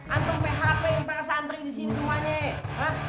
antum php para santri disini semuanya